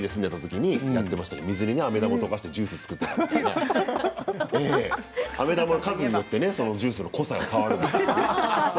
それでジュースを作ってあめ玉の数によってジュースの濃さが変わるんですよ